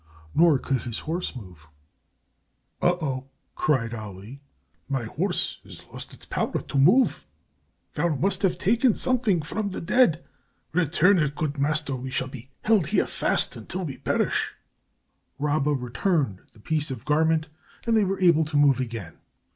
Nor could his horse move. "Oh, oh," cried Ali, "my horse has lost its power to move. Thou must have taken something from the dead. Return it, good master, or we shall be held fast here until we perish." Rabba returned the piece of garment, and they were able to move again.